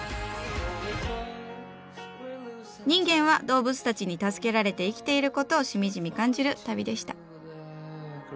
人間は動物たちに助けられて生きていることをしみじみ感じる旅でした。